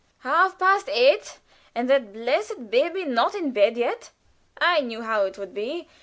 "Half past eight, and that blessed baby not in bed yet. I knew how it would be.